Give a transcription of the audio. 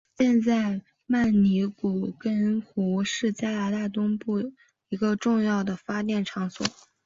现在曼尼古根湖是加拿大东部一个重要的发电场所。